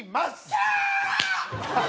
キャ！